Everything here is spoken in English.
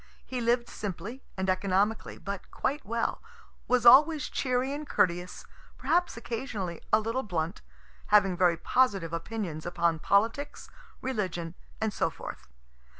He lived simply and economically, but quite well was always cheery and courteous, perhaps occasionally a little blunt, having very positive opinions upon politics, religion, and so forth.